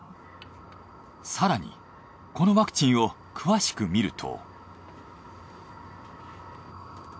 更にこのワクチンを詳しく見ると。